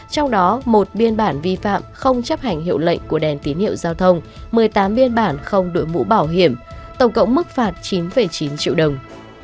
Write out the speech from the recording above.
trong đó một biên bản vi phạm không chấp hành hiệu lệnh của đèn tín hiệu giao thông một mươi tám biên bản không đội mũ bảo hiểm tổng cộng mức phạt chín chín triệu đồng